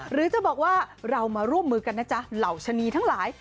หรือจะบอกว่าเรามาร่วมมือกันนะจ๊ะเหล่าชะนีทั้งหลาย